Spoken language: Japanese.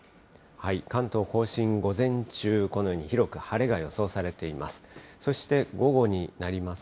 関東甲信、午前中、このように広く晴れが予想されています。